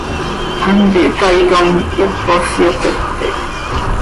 Hant ihtaaitom, hipos yopete.